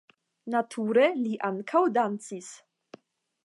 Nature li ankaŭ dancis.